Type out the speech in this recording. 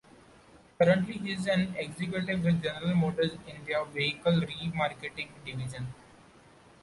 Currently he is an executive with General Motors in their vehicle remarketing division.